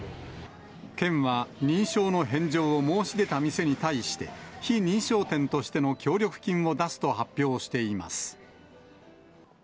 県は、認証の返上を申し出た店に対して、非認証店としての協力金を出すと発表しています。